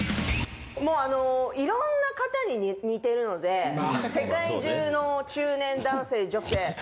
もうあの、いろんな方に似てるので、世界中の中年男性、女性。